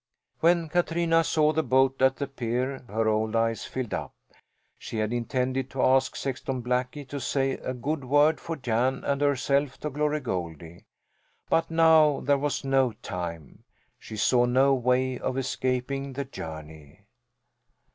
When Katrina saw the boat at the pier her old eyes filled up. She had intended to ask Sexton Blackie to say a good word for Jan and herself to Glory Goldie, but now there was no time. She saw no way of escaping the journey.